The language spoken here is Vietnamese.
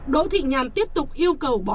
đỗ thị nhàn tiếp tục yêu cầu bỏ